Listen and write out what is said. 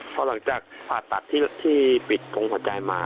พอหลังจากผ่าตัดที่ปิดตรงหัวใจมา